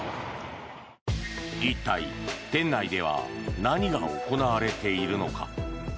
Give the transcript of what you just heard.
一体、店内では何が行われているのか。